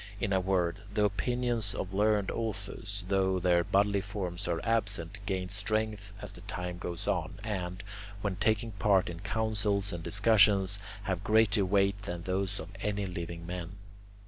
In a word, the opinions of learned authors, though their bodily forms are absent, gain strength as time goes on, and, when taking part in councils and discussions, have greater weight than those of any living men.